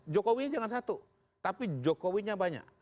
jokowi jangan satu tapi jokowinya banyak